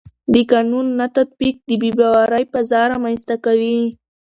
د قانون نه تطبیق د بې باورۍ فضا رامنځته کوي